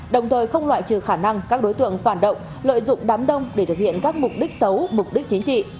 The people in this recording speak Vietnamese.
đồng thời không loại trừ khả năng các đối tượng phản động lợi dụng đám đông để thực hiện các mục đích xấu mục đích chính trị